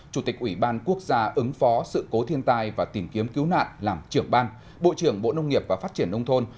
chủ tịch ủy ban quốc gia ứng phó sự cố thiên tai và tìm kiếm cứu nạn làm trưởng ban bộ trưởng bộ nông nghiệp và phát triển nông thôn